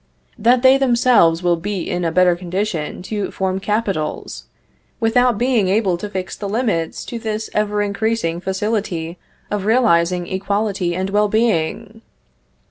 that they themselves will be in a better condition to form capitals, without being able to fix the limits to this ever increasing facility of realizing equality and well being?